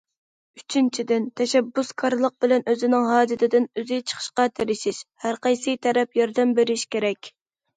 ئۈچىنچىدىن، تەشەببۇسكارلىق بىلەن ئۆزىنىڭ ھاجىتىدىن ئۆزى چىقىشقا تىرىشىش، ھەر قايسى تەرەپ ياردەم بېرىش كېرەك.